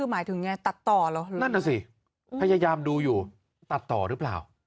หมายถึงไงตัดต่อเหรอนั่นน่ะสิพยายามดูอยู่ตัดต่อหรือเปล่า